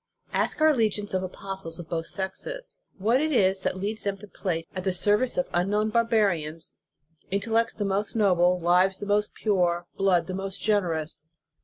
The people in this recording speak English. Ask our legions of apostles of both sexes, what it is that leads them to place at the ser vice of unknown barbarians, intellects the most noble, lives the most pure, blood the most generous.